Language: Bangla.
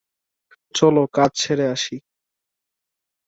চলো, কাজ সেরে আসি।